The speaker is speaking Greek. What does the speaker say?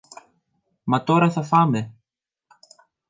Μα τώρα θα φάμε!